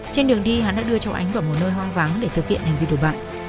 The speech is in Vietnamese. trên đường đi khanh đã đưa châu ánh vào một nơi hoang vắng để thực hiện hành vi tội bạo